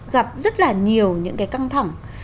gặp rất là nhiều những cái căng thẳng